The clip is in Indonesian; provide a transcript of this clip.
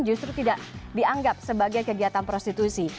justru tidak dianggap sebagai kegiatan prostitusi